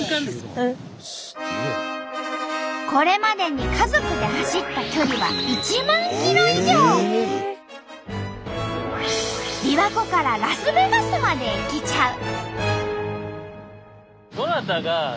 これまでに家族で走った距離はびわ湖からラスベガスまで行けちゃう。